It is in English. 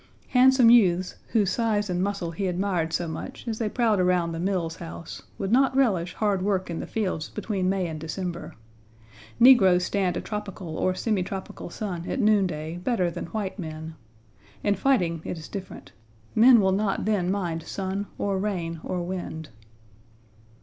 Handsome youths, whose size and muscle he admired so much as they prowled around the Mills House, would not relish hard work in the fields between May and December. Negroes stand a tropical or semitropical sun at noon day better than white men. In fighting it is different. Men will not then mind sun, or rain, or wind.